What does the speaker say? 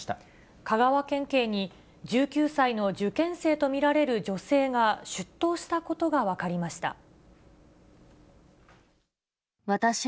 香川県警に、１９歳の受験生と見られる女性が出頭したことが分かりました。